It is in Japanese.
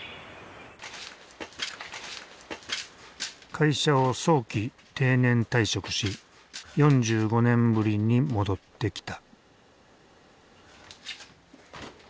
会社を早期定年退職し４５年ぶりに戻ってきた。